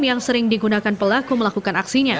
yang sering digunakan pelaku melakukan aksinya